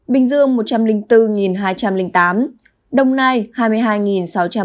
bình dương một trăm linh bốn hai trăm linh tám đồng nai hai mươi hai sáu trăm bốn mươi một